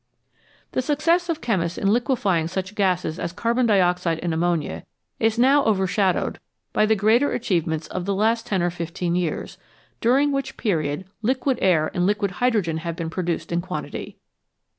The success of chemists in liquefying such gases as carbon dioxide and ammonia is now overshadowed by the greater achievements of the last ten or fifteen years ? during which period liquid air and liquid hydrogen have been produced in quantity.